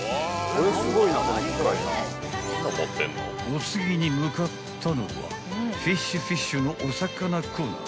［お次に向かったのはフィッシュフィッシュの］